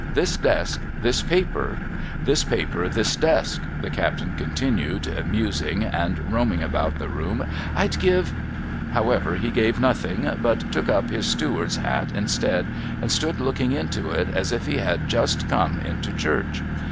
'Tliis desk, this paper, — this ])aper, this desk,' the captain continued, musing anil roaming about the room, ' I'd give ' However, be gave nothing, but took up his steward's hat instead, and stood looking into it, as if he had just come into church.